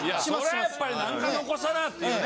やっぱり何か残さなっていうね。